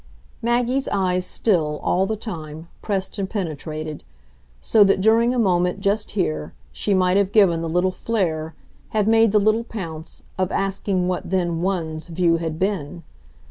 Maggie's eyes still, all the time, pressed and penetrated; so that, during a moment, just here, she might have given the little flare, have made the little pounce, of asking what then "one's" view had been.